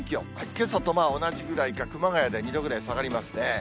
けさと同じぐらいか、熊谷で２度ぐらい下がりますね。